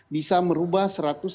bisa merubah satu ratus delapan puluh